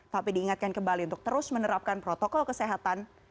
tapi diingatkan kembali untuk terus menerapkan protokol kesehatan